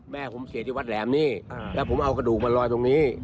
แม่ผมเสียที่วัดแหลมนี่แล้วผมเอากระดูกมาลอยตรงนี้